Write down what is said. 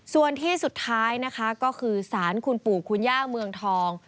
ส่วนที่สุดท้ายนะคะก็คือสารคุณปู่คุณย่าเมืองทอง